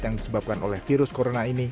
yang disebabkan oleh virus corona ini